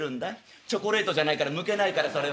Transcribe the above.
チョコレートじゃないからむけないからそれはな。